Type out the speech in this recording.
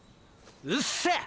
うっせ！